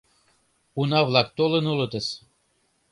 Уна-влак толын улытыс...